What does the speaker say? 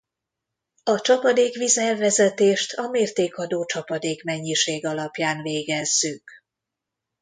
A csapadékvíz elvezetést a mértékadó csapadékmennyiség alapján végezzük.